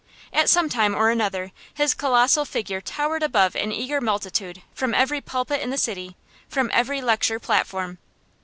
At some time or another his colossal figure towered above an eager multitude from every pulpit in the city, from every lecture platform.